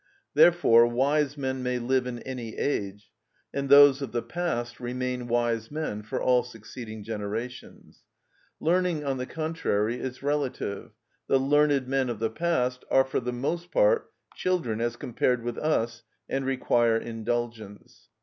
Therefore wise men may live in any age, and those of the past remain wise men for all succeeding generations. Learning, on the contrary, is relative; the learned men of the past are for the most part children as compared with us, and require indulgence.